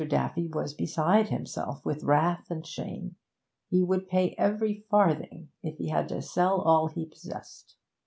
Daffy was beside himself with wrath and shame. He would pay every farthing, if he had to sell all he possessed!